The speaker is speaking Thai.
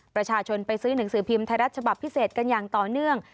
ประชาชนไปซื้อหนังสือพิมพ์ไทยรัฐฉบับพิเศษกันอย่างต่อเนื่อง